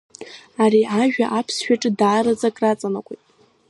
Ари ажәа аԥсшәаҿы даараӡа акраҵанакуеит.